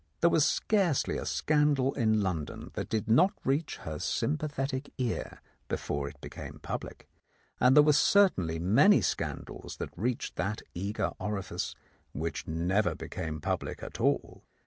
There was scarcely a scandal in London that did not reach her sympathetic ear before it became public, and there were certainly many scandals that reached that eager orifice which never became public at all.